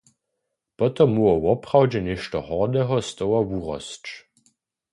Potom móhło woprawdźe něšto hordeho z toho wurosć.